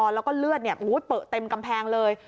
แล้วก็เลือดเปลือเต็มกำแพงเลย